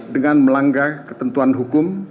dengan melanggar ketentuan hukum